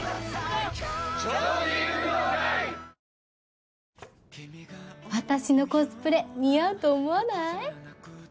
東京海上日動私のコスプレ似合うと思わない？